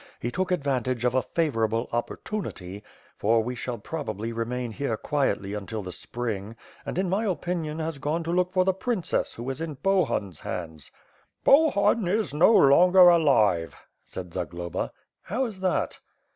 He took advantage of a favorable opportunity — for we shall probably remain here quietly until the spring — and in my opinion has gone to look for the princess, who is in Bohun's hands." "Bohun is no longer alive," said Zagloba. "How is that?"